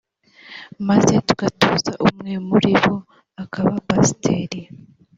maze tugatoza umwe muri bo akaba pasiteri